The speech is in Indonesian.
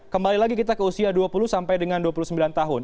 kembali lagi kita ke usia dua puluh sampai dengan dua puluh sembilan tahun